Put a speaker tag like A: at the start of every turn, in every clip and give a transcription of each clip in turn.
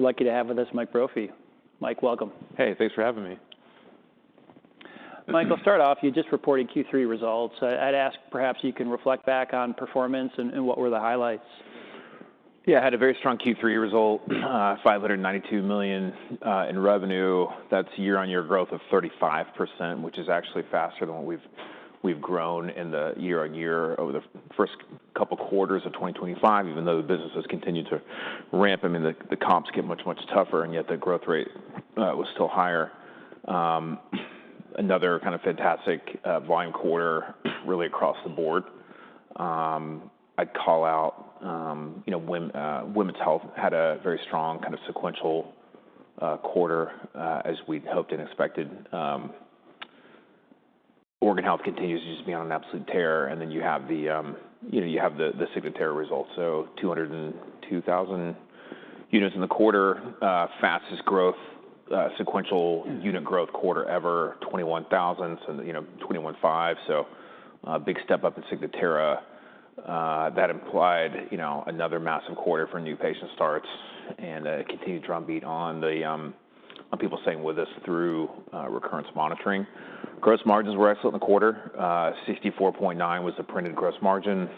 A: We're lucky to have with us Mike Brophy. Mike, welcome.
B: Hey, thanks for having me. Mike, I'll start off. You just reported Q3 results. I'd ask, perhaps you can reflect back on performance and what were the highlights? Yeah, I had a very strong Q3 result, $592 million in revenue. That's year-on-year growth of 35%, which is actually faster than what we've grown in the year-on-year over the first couple quarters of 2025, even though the business has continued to ramp. I mean, the comps get much, much tougher, and yet the growth rate was still higher. Another kind of fantastic volume quarter, really across the board. I'd call out Women's Health had a very strong kind of sequential quarter, as we'd hoped and expected. Organ Health continues to just be on an absolute tear, and then you have the Signatera results, so 202,000 units in the quarter. Fastest growth, sequential unit growth quarter ever, 21,000, so 21,500, so a big step up in Signatera. That implied another massive quarter for new patient starts and a continued drumbeat on people staying with us through recurrence monitoring. Gross margins were excellent in the quarter. 64.9 was the printed gross margin.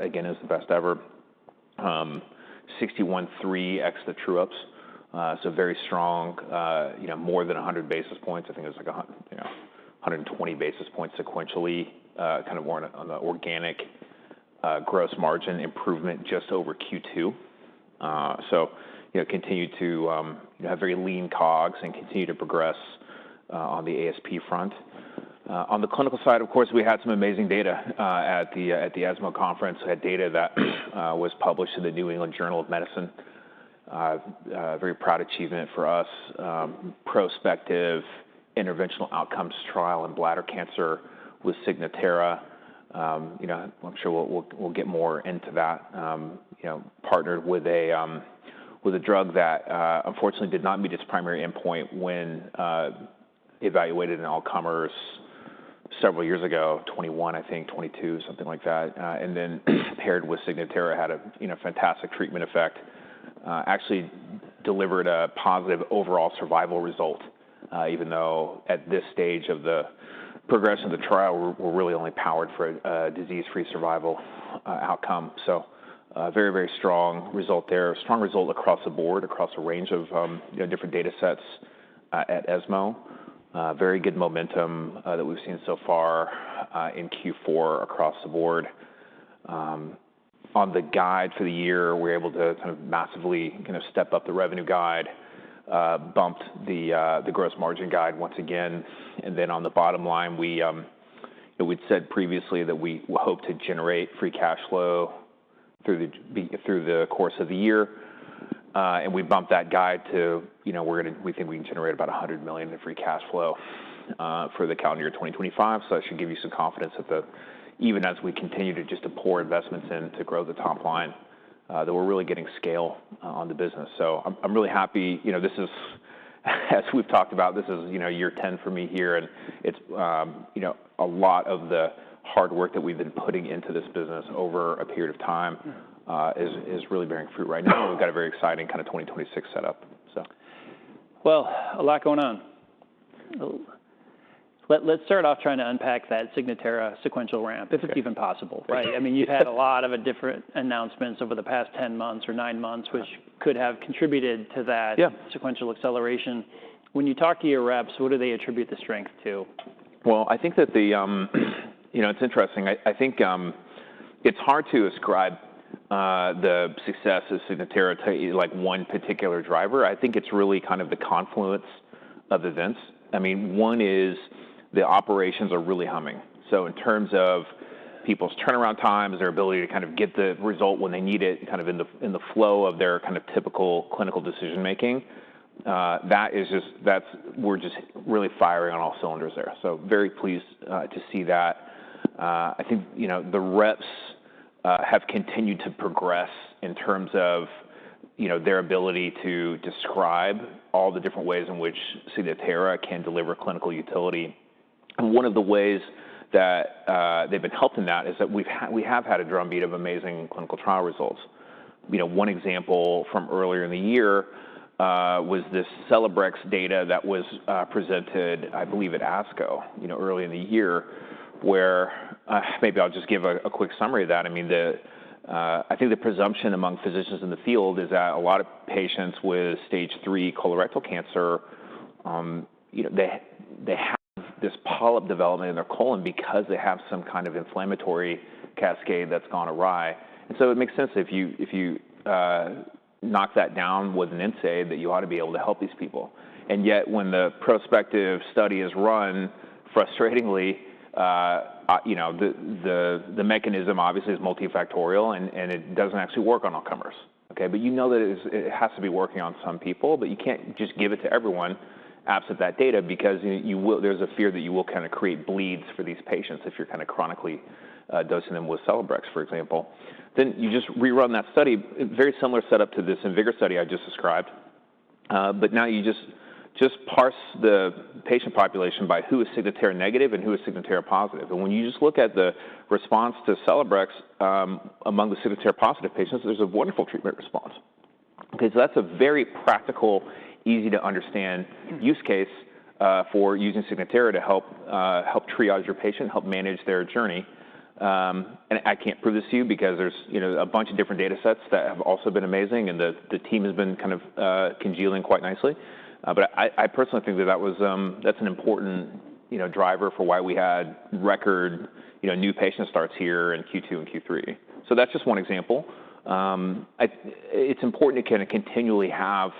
B: Again, it was the best ever. 61.3, ex the true-ups, so very strong, more than 100 basis points. I think it was like 120 basis points sequentially, kind of more on the organic gross margin improvement just over Q2, so continued to have very lean COGS and continue to progress on the ASP front. On the clinical side, of course, we had some amazing data at the ASCO Conference. We had data that was published in the New England Journal of Medicine. Very proud achievement for us. Prospective interventional outcomes trial in bladder cancer with Signatera. I'm sure we'll get more into that. Partnered with a drug that, unfortunately, did not meet its primary endpoint when evaluated in IMvigor several years ago, 2021, I think, 2022, something like that. And then paired with Signatera, had a fantastic treatment effect. Actually delivered a positive overall survival result, even though at this stage of the progression of the trial, we're really only powered for a disease-free survival outcome. So very, very strong result there. Strong result across the board, across a range of different data sets at ASCO. Very good momentum that we've seen so far in Q4 across the board. On the guide for the year, we were able to kind of massively kind of step up the revenue guide, bumped the gross margin guide once again. And then on the bottom line, we'd said previously that we hope to generate free cash flow through the course of the year. And we bumped that guide to we think we can generate about $100 million in free cash flow for the calendar year 2025. So that should give you some confidence that even as we continue to just pour investments in to grow the top line, that we're really getting scale on the business. So I'm really happy. As we've talked about, this is year 10 for me here, and it's a lot of the hard work that we've been putting into this business over a period of time is really bearing fruit right now. We've got a very exciting kind of 2026 setup, so. A lot going on. Let's start off trying to unpack that Signatera sequential ramp, if it's even possible, right? I mean, you've had a lot of different announcements over the past 10 months or nine months, which could have contributed to that sequential acceleration. When you talk to your reps, what do they attribute the strength to? I think that it's interesting. I think it's hard to ascribe the success of Signatera to one particular driver. I think it's really kind of the confluence of events. I mean, one is the operations are really humming. So in terms of people's turnaround times, their ability to kind of get the result when they need it, kind of in the flow of their kind of typical clinical decision-making, that is, we're just really firing on all cylinders there. So very pleased to see that. I think the reps have continued to progress in terms of their ability to describe all the different ways in which Signatera can deliver clinical utility. One of the ways that they've been helped in that is that we have had a drumbeat of amazing clinical trial results. One example from earlier in the year was this Celebrex data that was presented, I believe, at ASCO early in the year, where maybe I'll just give a quick summary of that. I mean, I think the presumption among physicians in the field is that a lot of patients with stage III colorectal cancer, they have this polyp development in their colon because they have some kind of inflammatory cascade that's gone awry. And so it makes sense if you knock that down with an NSAID that you ought to be able to help these people. And yet when the prospective study is run, frustratingly, the mechanism obviously is multifactorial and it doesn't actually work on all comers. Okay, but you know that it has to be working on some people, but you can't just give it to everyone absent that data because there's a fear that you will kind of create bleeds for these patients if you're kind of chronically dosing them with Celebrex, for example, then you just rerun that study, very similar setup to this IMvigor study I just described, but now you just parse the patient population by who is Signatera negative and who is Signatera positive, and when you just look at the response to Celebrex among the Signatera positive patients, there's a wonderful treatment response. Okay, so that's a very practical, easy-to-understand use case for using Signatera to help triage your patient, help manage their journey. And I can't prove this to you because there's a bunch of different data sets that have also been amazing, and the team has been kind of congealing quite nicely. But I personally think that that's an important driver for why we had record new patient starts here in Q2 and Q3. So that's just one example. It's important to kind of continually have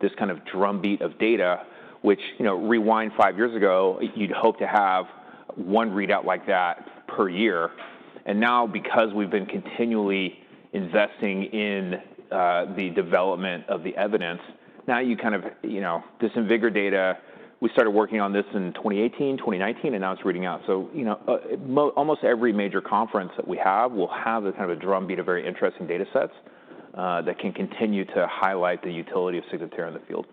B: this kind of drumbeat of data, which, rewind five years ago, you'd hope to have one readout like that per year. And now, because we've been continually investing in the development of the evidence, now you kind of this IMvigor data, we started working on this in 2018, 2019, and now it's reading out. So almost every major conference that we have will have kind of a drumbeat of very interesting data sets that can continue to highlight the utility of Signatera in the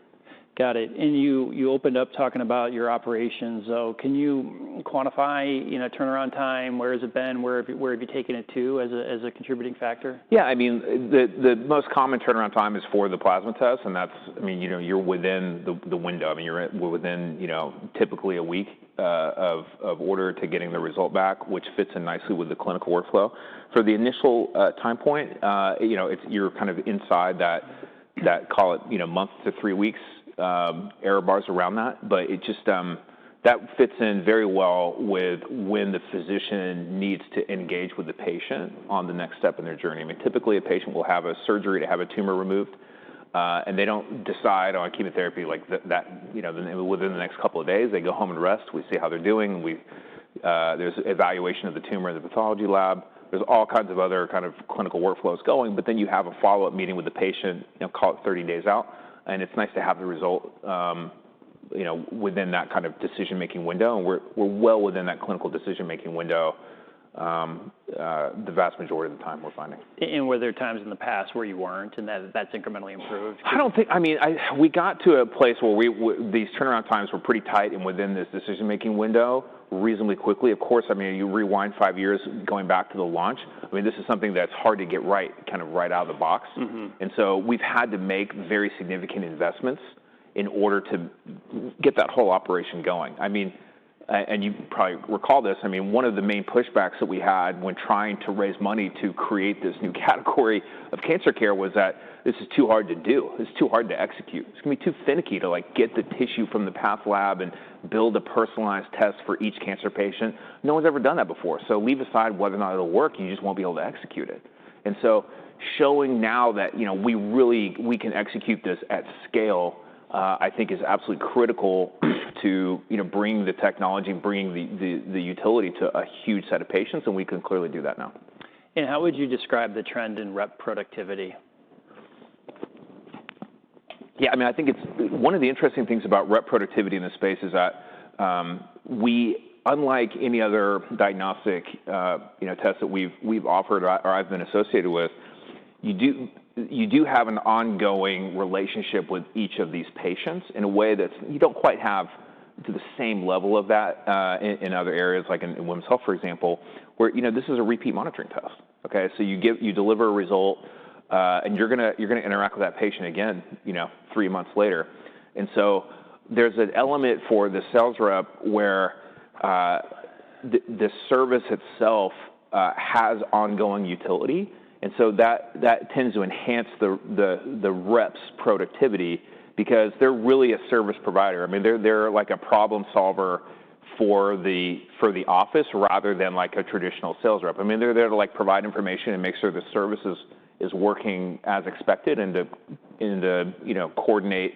B: field. Got it. And you opened up talking about your operations. So can you quantify turnaround time? Where has it been? Where have you taken it to as a contributing factor? Yeah, I mean, the most common turnaround time is for the plasma test. And that's, I mean, you're within the window. I mean, you're within typically a week of order to getting the result back, which fits in nicely with the clinical workflow. For the initial time point, you're kind of inside that, call it, month to three weeks error bars around that. But that fits in very well with when the physician needs to engage with the patient on the next step in their journey. I mean, typically a patient will have a surgery to have a tumor removed, and they don't decide, "Oh, I'll keep it therapy within the next couple of days." They go home and rest. We see how they're doing. There's evaluation of the tumor in the pathology lab. There's all kinds of other kind of clinical workflows going. But then you have a follow-up meeting with the patient, call it 30 days out. And it's nice to have the result within that kind of decision-making window. And we're well within that clinical decision-making window the vast majority of the time, we're finding. And were there times in the past where you weren't and that's incrementally improved? I don't think, I mean, we got to a place where these turnaround times were pretty tight and within this decision-making window reasonably quickly. Of course, I mean, you rewind five years going back to the launch. I mean, this is something that's hard to get right, kind of right out of the box. And so we've had to make very significant investments in order to get that whole operation going. I mean, and you probably recall this. I mean, one of the main pushbacks that we had when trying to raise money to create this new category of cancer care was that this is too hard to do. It's too hard to execute. It's going to be too finicky to get the tissue from the path lab and build a personalized test for each cancer patient. No one's ever done that before. So leave aside whether or not it'll work, you just won't be able to execute it. And so showing now that we can execute this at scale, I think is absolutely critical to bringing the technology and bringing the utility to a huge set of patients. And we can clearly do that now. How would you describe the trend in rep productivity? Yeah, I mean, I think one of the interesting things about rep productivity in this space is that we, unlike any other diagnostic tests that we've offered or I've been associated with, you do have an ongoing relationship with each of these patients in a way that you don't quite have to the same level of that in other areas, like in Women's Health, for example, where this is a repeat monitoring test. Okay, so you deliver a result, and you're going to interact with that patient again three months later. And so there's an element for the sales rep where the service itself has ongoing utility. And so that tends to enhance the rep's productivity because they're really a service provider. I mean, they're like a problem solver for the office rather than like a traditional sales rep. I mean, they're there to provide information and make sure the service is working as expected and to coordinate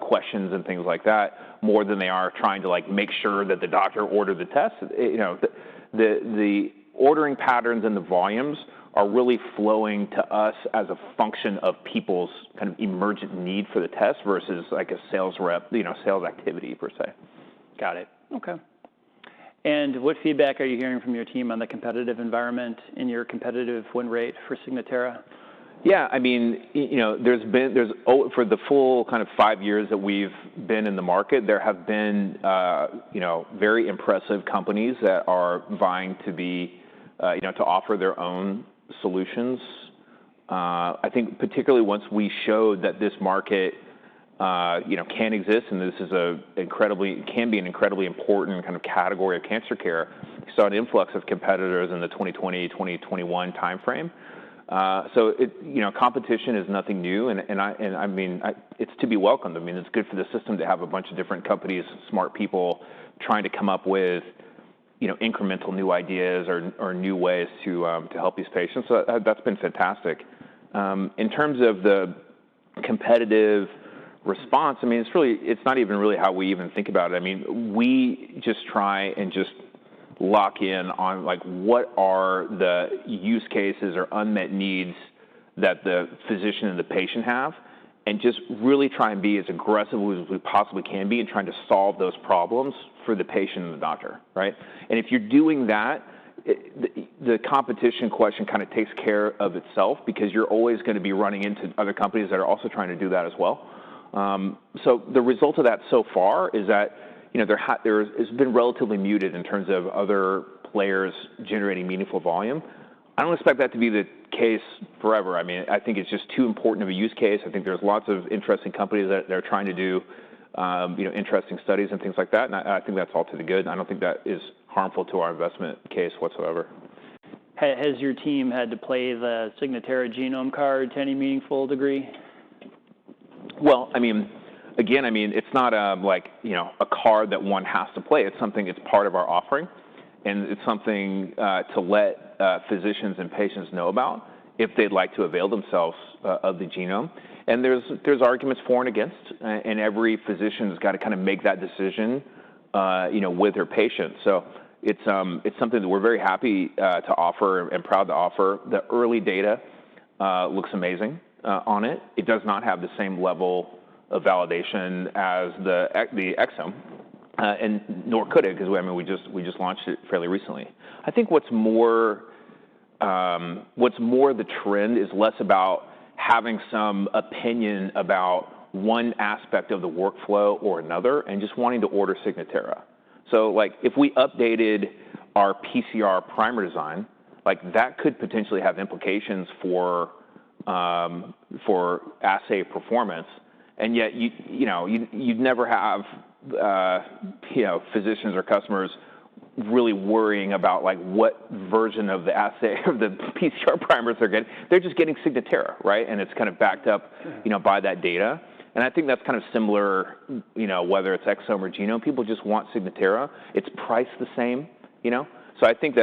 B: questions and things like that more than they are trying to make sure that the doctor ordered the test. The ordering patterns and the volumes are really flowing to us as a function of people's kind of emergent need for the test versus like a sales rep, sales activity per se. Got it. Okay. And what feedback are you hearing from your team on the competitive environment and your competitive win rate for Signatera? Yeah, I mean, for the full kind of five years that we've been in the market, there have been very impressive companies that are vying to offer their own solutions. I think particularly once we showed that this market can exist and this can be an incredibly important kind of category of cancer care, we saw an influx of competitors in the 2020, 2021 timeframe. So competition is nothing new. And I mean, it's to be welcomed. I mean, it's good for the system to have a bunch of different companies, smart people trying to come up with incremental new ideas or new ways to help these patients. So that's been fantastic. In terms of the competitive response, I mean, it's not even really how we even think about it. I mean, we just try and just lock in on what are the use cases or unmet needs that the physician and the patient have and just really try and be as aggressive as we possibly can be in trying to solve those problems for the patient and the doctor, right? And if you're doing that, the competition question kind of takes care of itself because you're always going to be running into other companies that are also trying to do that as well. So the result of that so far is that it's been relatively muted in terms of other players generating meaningful volume. I don't expect that to be the case forever. I mean, I think it's just too important of a use case. I think there's lots of interesting companies that are trying to do interesting studies and things like that. I think that's all to the good. I don't think that is harmful to our investment case whatsoever. Has your team had to play the Signatera genome card to any meaningful degree? I mean, again, I mean, it's not like a card that one has to play. It's something that's part of our offering, and it's something to let physicians and patients know about if they'd like to avail themselves of the genome, and there's arguments for and against, and every physician has got to kind of make that decision with their patients, so it's something that we're very happy to offer and proud to offer. The early data looks amazing on it. It does not have the same level of validation as the exome, and nor could it because, I mean, we just launched it fairly recently. I think what's more, the trend is less about having some opinion about one aspect of the workflow or another and just wanting to order Signatera, so if we updated our PCR primer design, that could potentially have implications for assay performance. And yet you'd never have physicians or customers really worrying about what version of the assay or the PCR primers they're getting. They're just getting Signatera, right? And it's kind of backed up by that data. And I think that's kind of similar whether it's exome or genome. People just want Signatera. It's priced the same. So I think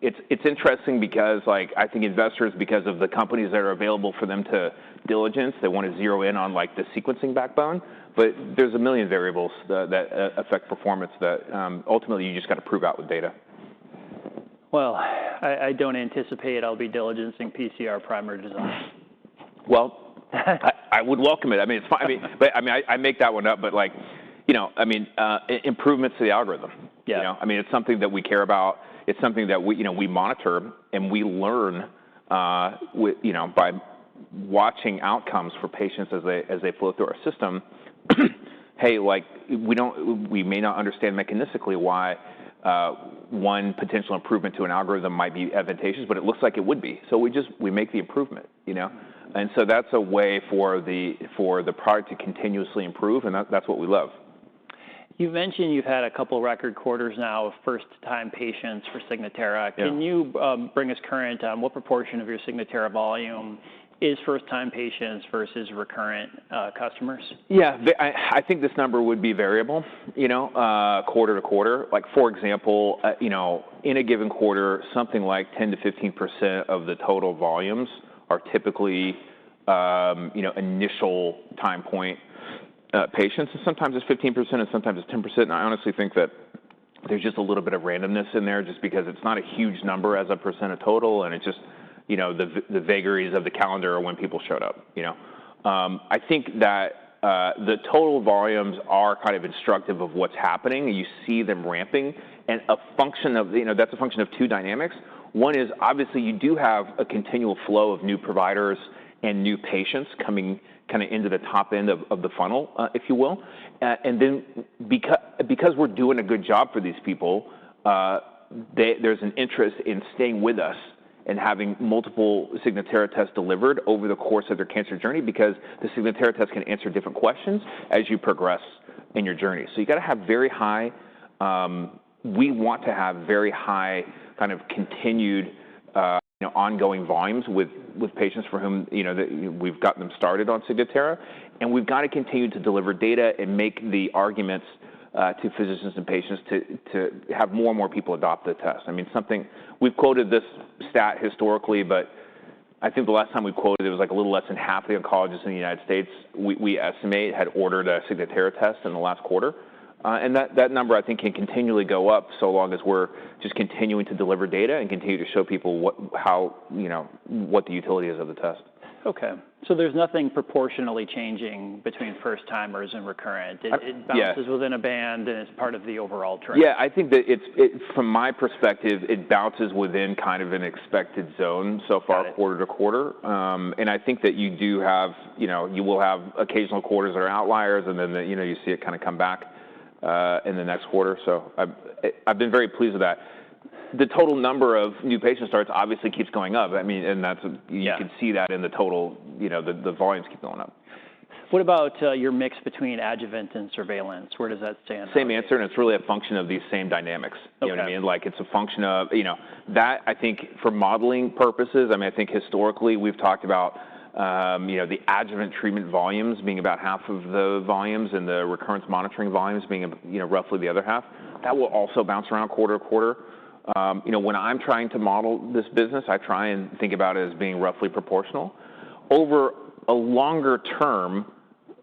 B: it's interesting because I think investors, because of the companies that are available for them to diligence, they want to zero in on the sequencing backbone. But there's a million variables that affect performance that ultimately you just got to prove out with data. I don't anticipate I'll be diligencing PCR primer design. I would welcome it. I mean, I make that one up, but I mean, improvements to the algorithm. I mean, it's something that we care about. It's something that we monitor and we learn by watching outcomes for patients as they flow through our system. Hey, we may not understand mechanistically why one potential improvement to an algorithm might be advantageous, but it looks like it would be. We make the improvement. That's a way for the product to continuously improve. That's what we love. You mentioned you've had a couple of record quarters now of first-time patients for Signatera. Can you bring us current on what proportion of your Signatera volume is first-time patients versus recurrent customers? Yeah, I think this number would be variable quarter to quarter. For example, in a given quarter, something like 10%–15% of the total volumes are typically initial time point patients. And sometimes it's 15% and sometimes it's 10%. And I honestly think that there's just a little bit of randomness in there just because it's not a huge number as a percent of total. And it's just the vagaries of the calendar or when people showed up. I think that the total volumes are kind of instructive of what's happening. You see them ramping. And that's a function of two dynamics. One is obviously you do have a continual flow of new providers and new patients coming kind of into the top end of the funnel, if you will. And then because we're doing a good job for these people, there's an interest in staying with us and having multiple Signatera tests delivered over the course of their cancer journey because the Signatera test can answer different questions as you progress in your journey. So you got to have very high, we want to have very high kind of continued ongoing volumes with patients for whom we've gotten them started on Signatera. And we've got to continue to deliver data and make the arguments to physicians and patients to have more and more people adopt the test. I mean, we've quoted this stat historically, but I think the last time we quoted it was like a little less than half the oncologists in the United States, we estimate, had ordered a Signatera test in the last quarter. That number, I think, can continually go up so long as we're just continuing to deliver data and continue to show people what the utility is of the test. Okay, so there's nothing proportionally changing between first-timers and recurrent. It bounces within a band and is part of the overall trend. Yeah, I think that from my perspective, it bounces within kind of an expected zone so far, quarter to quarter, and I think that you will have occasional quarters that are outliers, and then you see it kind of come back in the next quarter, so I've been very pleased with that. The total number of new patient starts obviously keeps going up. I mean, and you can see that in the total, the volumes keep going up. What about your mix between adjuvant and surveillance? Where does that stand? Same answer, and it's really a function of these same dynamics. You know what I mean? It's a function of that, I think, for modeling purposes. I mean, I think historically we've talked about the adjuvant treatment volumes being about half of the volumes and the recurrence monitoring volumes being roughly the other half. That will also bounce around quarter to quarter. When I'm trying to model this business, I try and think about it as being roughly proportional. Over a longer term,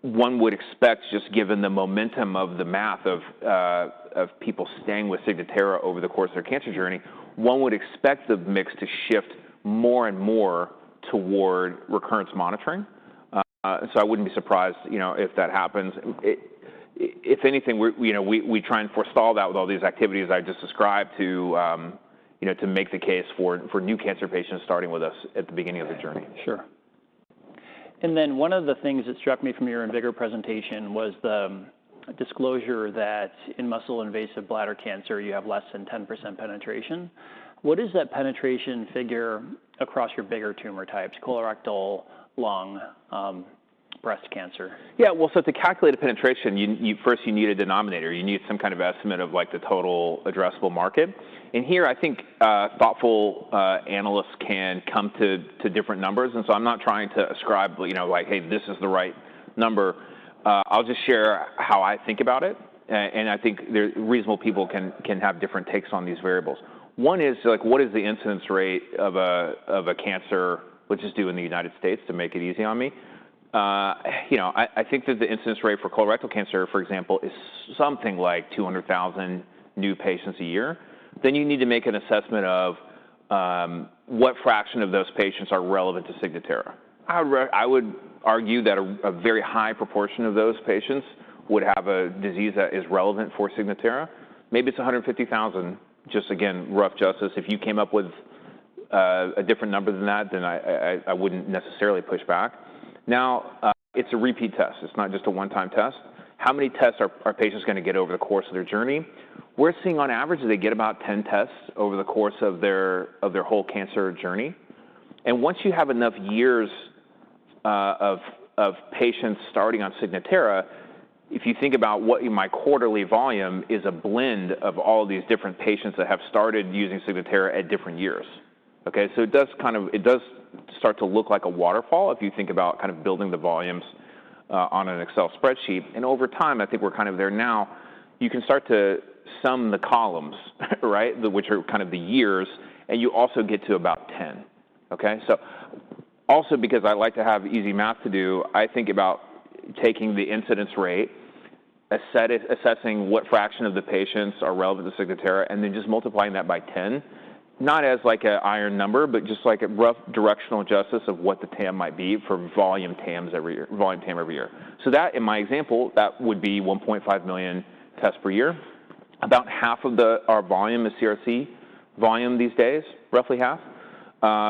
B: one would expect, just given the momentum of the math of people staying with Signatera over the course of their cancer journey, one would expect the mix to shift more and more toward recurrence monitoring, so I wouldn't be surprised if that happens. If anything, we try and forestall that with all these activities I just described to make the case for new cancer patients starting with us at the beginning of the journey. Sure. And then one of the things that struck me from your IMvigor presentation was the disclosure that in muscle invasive bladder cancer, you have less than 10% penetration. What is that penetration figure across your bigger tumor types, colorectal, lung, breast cancer? Yeah, well, so to calculate a penetration, first you need a denominator. You need some kind of estimate of the total addressable market, and here, I think thoughtful analysts can come to different numbers, so I'm not trying to ascribe like, "Hey, this is the right number." I'll just share how I think about it, and I think reasonable people can have different takes on these variables. One is what is the incidence rate of a cancer. Let's just do in the United States to make it easy on me. I think that the incidence rate for colorectal cancer, for example, is something like 200,000 new patients a year. Then you need to make an assessment of what fraction of those patients are relevant to Signatera. I would argue that a very high proportion of those patients would have a disease that is relevant for Signatera. Maybe it's 150,000, just again, rough justice. If you came up with a different number than that, then I wouldn't necessarily push back. Now, it's a repeat test. It's not just a one-time test. How many tests are patients going to get over the course of their journey? We're seeing on average that they get about 10 tests over the course of their whole cancer journey. Once you have enough years of patients starting on Signatera, if you think about what my quarterly volume is, a blend of all these different patients that have started using Signatera at different years. Okay, so it does start to look like a waterfall if you think about kind of building the volumes on an Excel spreadsheet. And over time, I think we're kind of there now. You can start to sum the columns, right, which are kind of the years, and you also get to about 10. Okay, so also because I like to have easy math to do, I think about taking the incidence rate, assessing what fraction of the patients are relevant to Signatera, and then just multiplying that by 10, not as like an iron number, but just like a rough directional justice of what the TAM might be for volume TAMs every year. So that, in my example, that would be 1.5 million tests per year. About half of our volume is CRC volume these days, roughly half.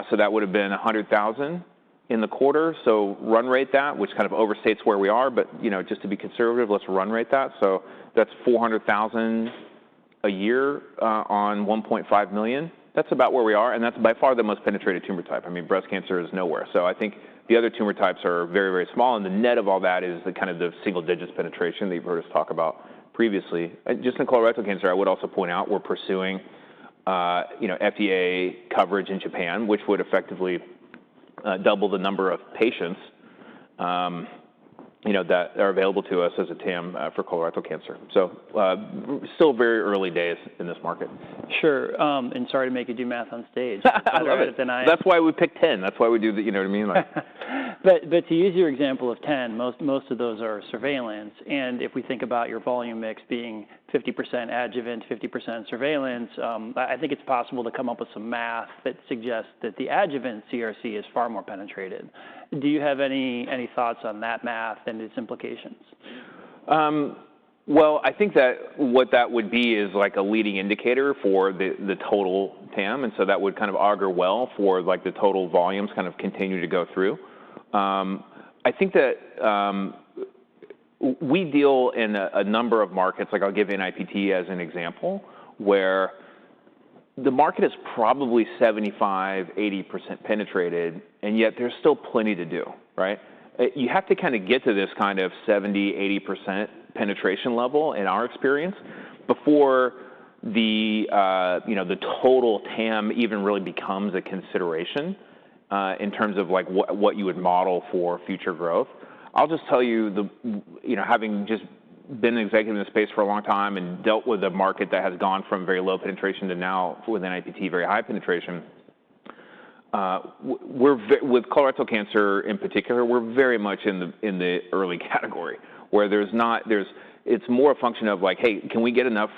B: So that would have been 100,000 in the quarter. So run rate that, which kind of overstates where we are, but just to be conservative, let's run rate that. So that's 400,000 a year on 1.5 million. That's about where we are. And that's by far the most penetrated tumor type. I mean, breast cancer is nowhere. So I think the other tumor types are very, very small. And the net of all that is kind of the single digits penetration that you've heard us talk about previously. Just in colorectal cancer, I would also point out we're pursuing FDA coverage in Japan, which would effectively double the number of patients that are available to us as a TAM for colorectal cancer. So still very early days in this market. Sure. And sorry to make you do math on stage. I love it. That's why we picked 10. That's why we do the, you know what I mean? But to use your example of 10, most of those are surveillance. And if we think about your volume mix being 50% adjuvant, 50% surveillance, I think it's possible to come up with some math that suggests that the adjuvant CRC is far more penetrated. Do you have any thoughts on that math and its implications? Well, I think that what that would be is like a leading indicator for the total TAM, and so that would kind of augur well for the total volumes kind of continue to go through. I think that we deal in a number of markets, like I'll give you an NIPT as an example, where the market is probably 75%–80% penetrated, and yet there's still plenty to do, right? You have to kind of get to this kind of 70%-80% penetration level in our experience before the total TAM even really becomes a consideration in terms of what you would model for future growth. I'll just tell you, having just been an executive in the space for a long time and dealt with a market that has gone from very low penetration to now with an NIPT very high penetration, with colorectal cancer in particular, we're very much in the early category where it's more a function of like, "Hey, can we get enough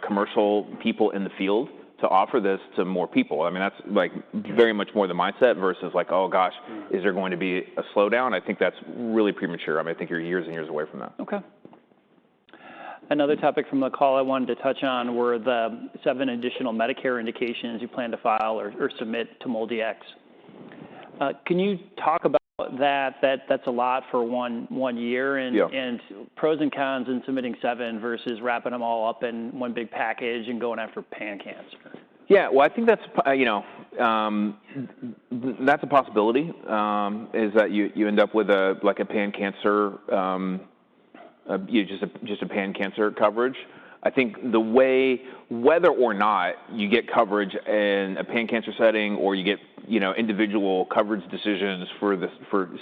B: commercial people in the field to offer this to more people?" I mean, that's very much more the mindset versus like, "Oh gosh, is there going to be a slowdown?" I think that's really premature. I mean, I think you're years and years away from that. Okay. Another topic from the call I wanted to touch on were the seven additional Medicare indications you plan to file or submit to MolDX. Can you talk about that? That's a lot for one year. And pros and cons in submitting seven versus wrapping them all up in one big package and going after pan cancer. Yeah, well, I think that's a possibility, that you end up with a pan-cancer, just a pan-cancer coverage. I think, the way whether or not you get coverage in a pan-cancer setting or you get individual coverage decisions for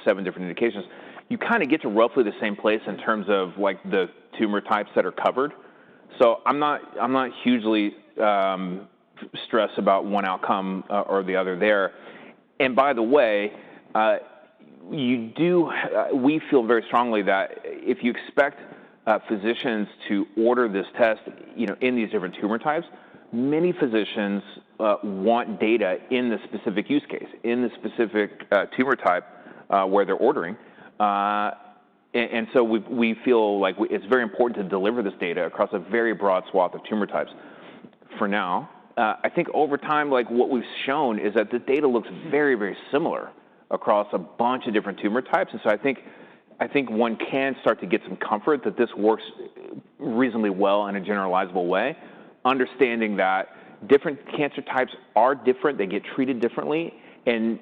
B: seven different indications, you kind of get to roughly the same place in terms of the tumor types that are covered. So I'm not hugely stressed about one outcome or the other there. And by the way, we feel very strongly that if you expect physicians to order this test in these different tumor types, many physicians want data in the specific use case, in the specific tumor type where they're ordering. And so we feel like it's very important to deliver this data across a very broad swath of tumor types for now. I think over time, what we've shown is that the data looks very, very similar across a bunch of different tumor types, and so I think one can start to get some comfort that this works reasonably well in a generalizable way, understanding that different cancer types are different. They get treated differently, and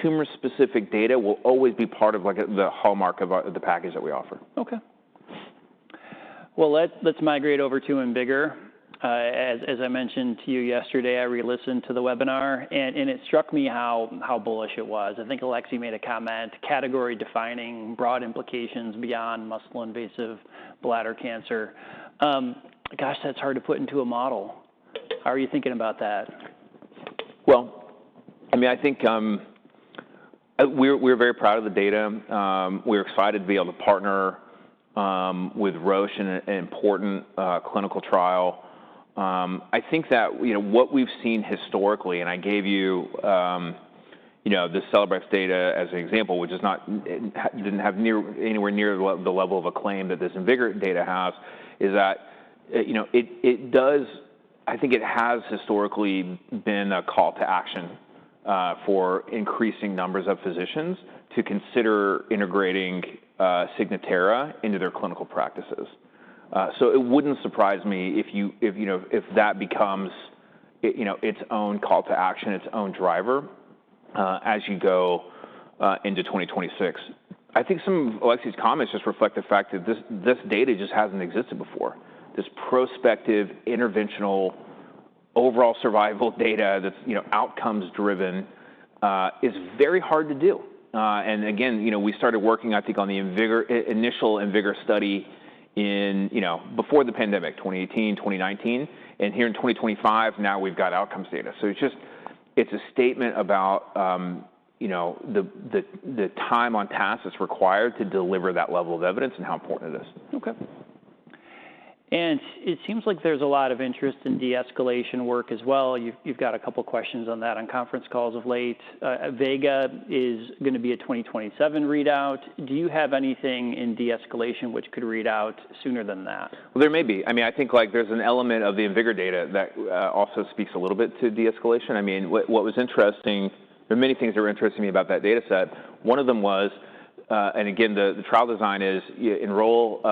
B: tumor-specific data will always be part of the hallmark of the package that we offer. Okay. Well, let's migrate over to IMvigor. As I mentioned to you yesterday, I re-listened to the webinar, and it struck me how bullish it was. I think Alexey made a comment, category defining, broad implications beyond muscle invasive bladder cancer. Gosh, that's hard to put into a model. How are you thinking about that? I mean, I think we're very proud of the data. We're excited to be able to partner with Roche, an important clinical trial. I think that what we've seen historically, and I gave you the Celebrex data as an example, which didn't have anywhere near the level of acclaim that this IMvigor data has, is that it does, I think it has historically been a call to action for increasing numbers of physicians to consider integrating Signatera into their clinical practices. So it wouldn't surprise me if that becomes its own call to action, its own driver as you go into 2026. I think some of Alexey's comments just reflect the fact that this data just hasn't existed before. This prospective interventional overall survival data, that's outcomes driven, is very hard to do. Again, we started working, I think, on the initial IMvigor study before the pandemic, 2018, 2019. Here in 2025, now we've got outcomes data. It's a statement about the time on task that's required to deliver that level of evidence and how important it is. Okay. And it seems like there's a lot of interest in de-escalation work as well. You've got a couple of questions on that on conference calls of late. VEGA is going to be a 2027 readout. Do you have anything in de-escalation which could read out sooner than that? Well, there may be. I mean, I think there's an element of the IMvigor data that also speaks a little bit to de-escalation. I mean, what was interesting. There are many things that were interesting to me about that data set. One of them was, and again, the trial design is enroll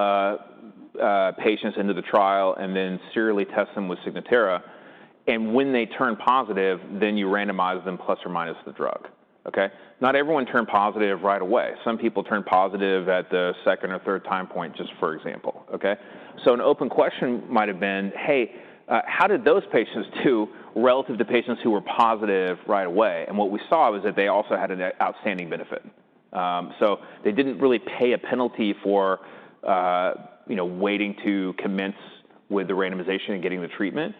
B: patients into the trial and then serially test them with Signatera. And when they turn positive, then you randomize them plus or minus the drug. Okay, not everyone turned positive right away. Some people turned positive at the second or third time point, just for example. Okay, so an open question might have been, "Hey, how did those patients do relative to patients who were positive right away?" And what we saw was that they also had an outstanding benefit. So they didn't really pay a penalty for waiting to commence with the randomization and getting the treatment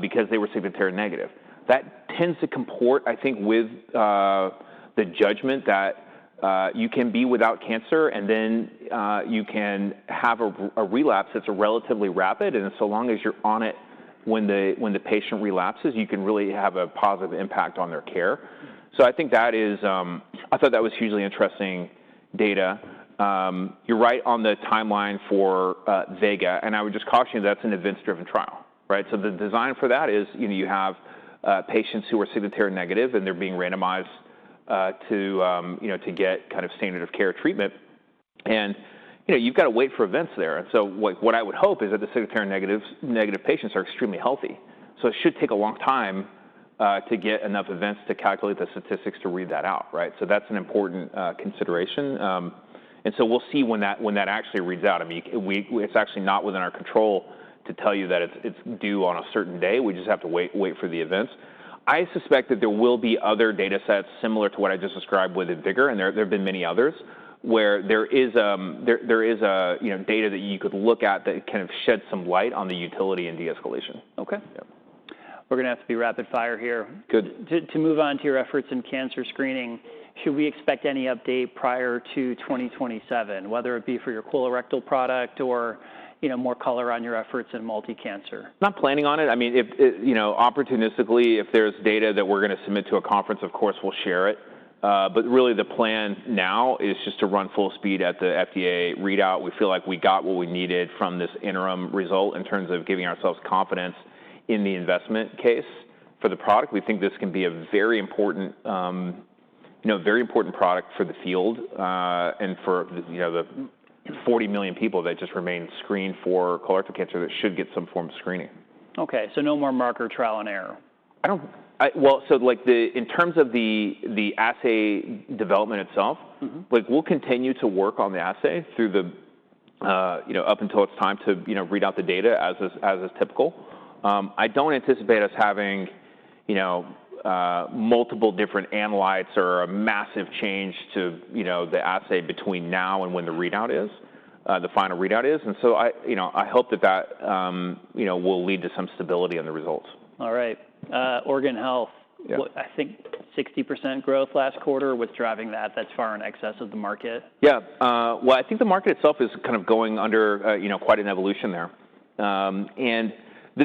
B: because they were Signatera negative. That tends to comport, I think, with the judgment that you can be without cancer and then you can have a relapse that's relatively rapid. And so long as you're on it when the patient relapses, you can really have a positive impact on their care. So I think that is, I thought that was hugely interesting data. You're right on the timeline for VEGA. And I would just caution you that that's an events-driven trial, right? So the design for that is you have patients who are Signatera negative and they're being randomized to get kind of standard of care treatment. And you've got to wait for events there. And so what I would hope is that the Signatera negative patients are extremely healthy. So it should take a long time to get enough events to calculate the statistics to read that out, right? So that's an important consideration. And so we'll see when that actually reads out. I mean, it's actually not within our control to tell you that it's due on a certain day. We just have to wait for the events. I suspect that there will be other data sets similar to what I just described with IMvigor, and there have been many others where there is data that you could look at that kind of sheds some light on the utility and de-escalation. Okay. We're going to have to be rapid fire here. Good. To move on to your efforts in cancer screening, should we expect any update prior to 2027, whether it be for your colorectal product or more color on your efforts in multi-cancer? Not planning on it. I mean, opportunistically, if there's data that we're going to submit to a conference, of course we'll share it. But really the plan now is just to run full speed at the FDA readout. We feel like we got what we needed from this interim result in terms of giving ourselves confidence in the investment case for the product. We think this can be a very important product for the field and for the 40 million people that just remain screened for colorectal cancer that should get some form of screening. Okay. So no more marker trial and error? Well, so in terms of the assay development itself, we'll continue to work on the assay up until it's time to read out the data as is typical. I don't anticipate us having multiple different analytes or a massive change to the assay between now and when the readout is, the final readout is. And so I hope that that will lead to some stability in the results. All right. Organ Health, I think 60% growth last quarter was driving that. That's far in excess of the market. Yeah. Well, I think the market itself is kind of going under quite an evolution there. And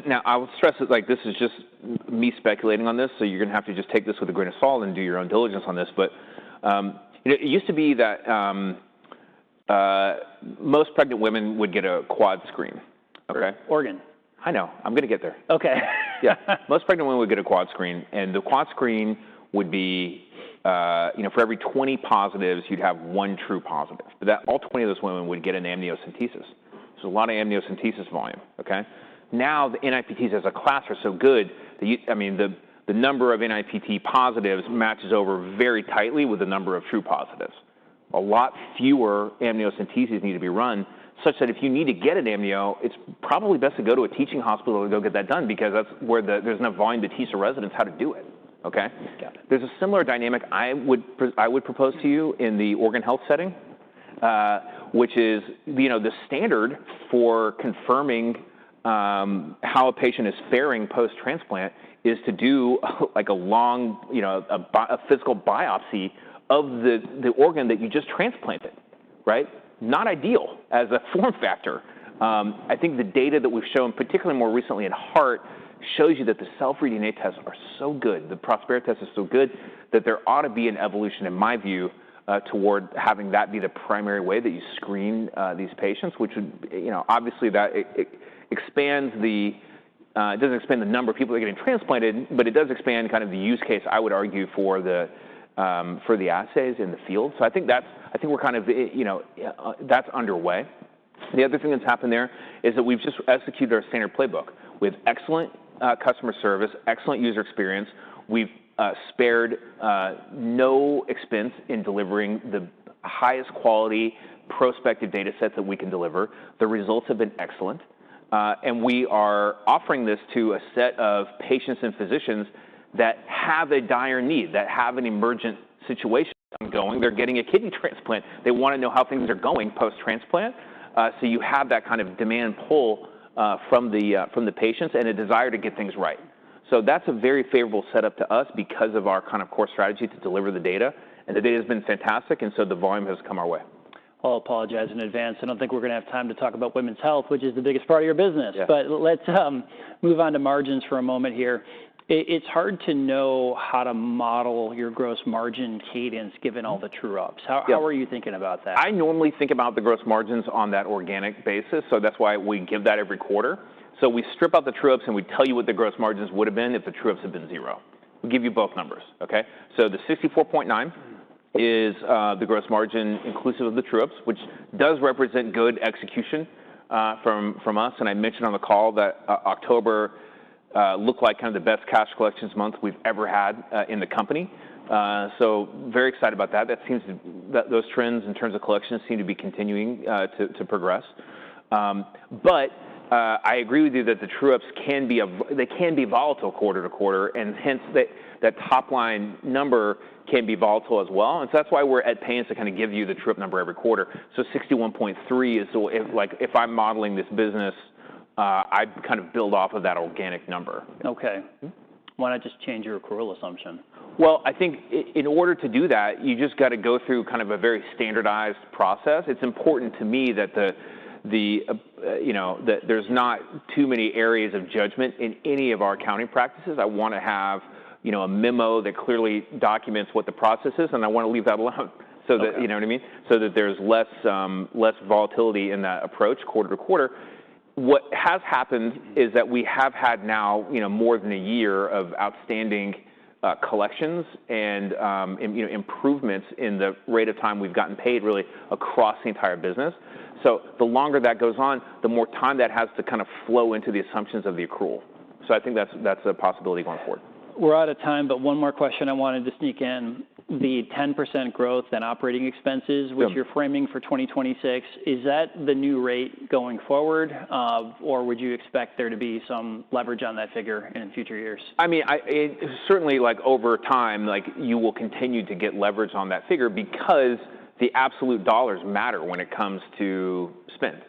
B: now I will stress that this is just me speculating on this, so you're going to have to just take this with a grain of salt and do your own diligence on this. But it used to be that most pregnant women would get a quad screen, okay? Organ. I know. I'm going to get there. Okay. Yeah. Most pregnant women would get a quad screen. And the quad screen would be for every 20 positives, you'd have one true positive. All 20 of those women would get an amniocentesis. There's a lot of amniocentesis volume, okay? Now the NIPTs as a class are so good that, I mean, the number of NIPT positives matches over very tightly with the number of true positives. A lot fewer amniocenteses need to be run, such that if you need to get an amnio, it's probably best to go to a teaching hospital and go get that done because that's where there's enough volume to teach the residents how to do it, okay? There's a similar dynamic I would propose to you in the organ health setting, which is the standard for confirming how a patient is faring post-transplant is to do a physical biopsy of the organ that you just transplanted, right? Not ideal as a form factor. I think the data that we've shown, particularly more recently in heart, shows you that the self-reading tests are so good, the Prospera test is so good that there ought to be an evolution, in my view, toward having that be the primary way that you screen these patients, which obviously expands the, it doesn't expand the number of people that are getting transplanted, but it does expand kind of the use case, I would argue, for the assays in the field. So I think we're kind of, that's underway. The other thing that's happened there is that we've just executed our standard playbook with excellent customer service, excellent user experience. We've spared no expense in delivering the highest quality prospective data set that we can deliver. The results have been excellent, and we are offering this to a set of patients and physicians that have a dire need, that have an emergent situation ongoing. They're getting a kidney transplant. They want to know how things are going post-transplant, so you have that kind of demand pull from the patients and a desire to get things right, so that's a very favorable setup to us because of our kind of core strategy to deliver the data, and the data has been fantastic, and so the volume has come our way. I apologize in advance. I don't think we're going to have time to talk about women's health, which is the biggest part of your business. But let's move on to margins for a moment here. It's hard to know how to model your gross margin cadence given all the true-ups. How are you thinking about that? I normally think about the gross margins on that organic basis. So that's why we give that every quarter. So we strip out the true-ups and we tell you what the gross margins would have been if the true-ups had been zero. We give you both numbers, okay? So the 64.9% is the gross margin inclusive of the true-ups, which does represent good execution from us. And I mentioned on the call that October looked like kind of the best cash collections month we've ever had in the company. So very excited about that. Those trends in terms of collections seem to be continuing to progress. But I agree with you that the true-ups can be volatile quarter to quarter. And hence that top line number can be volatile as well. And so that's why we're at pains to kind of give you the true-up number every quarter. So 61.3 is like if I'm modeling this business, I kind of build off of that organic number. Okay. Why not just change your accrual assumption? I think in order to do that, you just got to go through kind of a very standardized process. It's important to me that there's not too many areas of judgment in any of our accounting practices. I want to have a memo that clearly documents what the process is. And I want to leave that alone. You know what I mean? So that there's less volatility in that approach quarter to quarter. What has happened is that we have had now more than a year of outstanding collections and improvements in the rate of time we've gotten paid really across the entire business. So the longer that goes on, the more time that has to kind of flow into the assumptions of the accrual. So I think that's a possibility going forward. We're out of time, but one more question I wanted to sneak in. The 10% growth in operating expenses, which you're framing for 2026, is that the new rate going forward? Or would you expect there to be some leverage on that figure in future years? I mean, certainly over time, you will continue to get leverage on that figure because the absolute dollars matter when it comes to spend.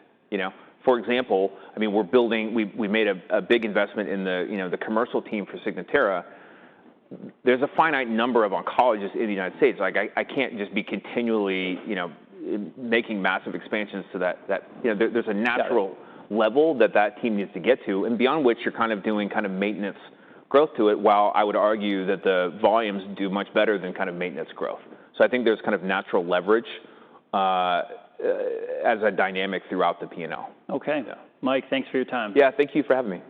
B: For example, I mean, we're building, we made a big investment in the commercial team for Signatera. There's a finite number of oncologists in the United States. I can't just be continually making massive expansions to that. There's a natural level that that team needs to get to, and beyond which you're kind of doing kind of maintenance growth to it, while I would argue that the volumes do much better than kind of maintenance growth. So I think there's kind of natural leverage as a dynamic throughout the P&L. Okay. Mike, thanks for your time. Yeah, thank you for having me.